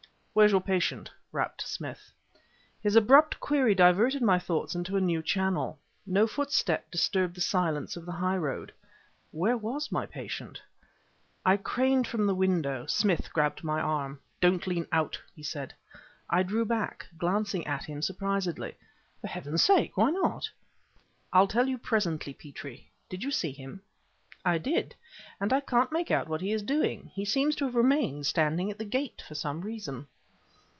"Where's your patient?" rapped Smith. His abrupt query diverted my thoughts into a new channel. No footstep disturbed the silence of the highroad; where was my patient? I craned from the window. Smith grabbed my arm. "Don't lean out," he said. I drew back, glancing at him surprisedly. "For Heaven's sake, why not?" "I'll tell you presently, Petrie. Did you see him?" "I did, and I can't make out what he is doing. He seems to have remained standing at the gate for some reason."